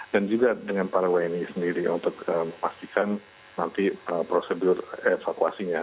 dan juga dengan para wni sendiri untuk memastikan nanti prosedur evakuasinya